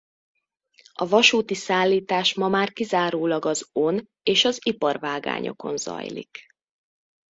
A vasúti szállítás ma már kizárólag az on és az iparvágányokon zajlik.